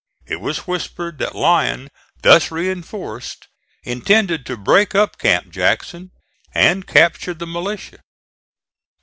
It was whispered that Lyon thus reinforced intended to break up Camp Jackson and capture the militia.